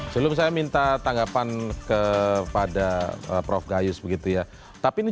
saya akan berhenti